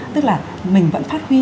tức là mình vẫn phát huy